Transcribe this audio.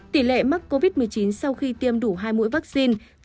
tỷ lệ mắc covid một mươi chín sau khi tiêm đủ hai mũi vaccine